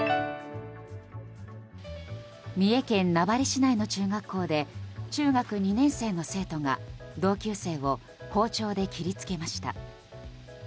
三重県名張市内の中学校で中学２年生の生徒が同級生を包丁で切りつけました。